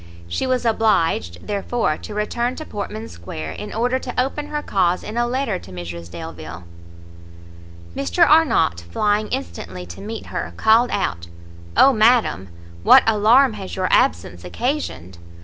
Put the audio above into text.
She was obliged, therefore, to return to Portman square, in order to open her cause in a letter to Mrs Delvile. Mr Arnott, flying instantly to meet her, called out, "O madam, what alarm has your absence occasioned!